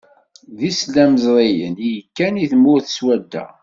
D islamẓriyen i yekkan i tmurt swadda.